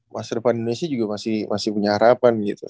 masa depan indonesia juga masih punya harapan gitu